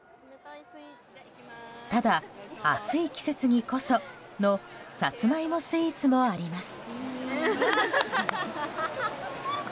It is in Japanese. ただ、暑い季節にこそのサツマイモスイーツもあります。